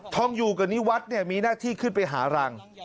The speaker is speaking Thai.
องอยู่กับนิวัฒน์มีหน้าที่ขึ้นไปหารัง